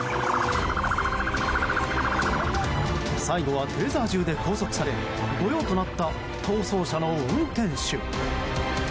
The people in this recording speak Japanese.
最後はテーザー銃で拘束され御用となった逃走車の運転手。